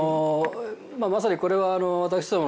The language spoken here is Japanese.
まさにこれは私ども